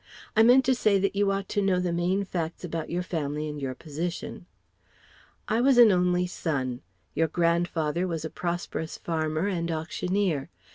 I meant to say that you ought to know the main facts about your family and your position. I was an only son. Your grandfather was a prosperous farmer and auctioneer.